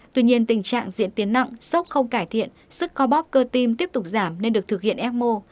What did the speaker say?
tuy nhiên tình trạng diễn tiến nặng sốc không cải thiện sức co bóp cơ tim tiếp tục giảm nên được thực hiện ecmo